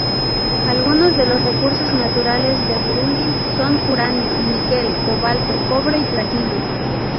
Algunos de los recursos naturales de Burundi son uranio, níquel, cobalto, cobre y platino.